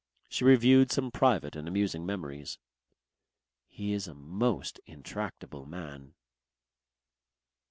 She reviewed some private and amusing memories. "He is a most intractable man."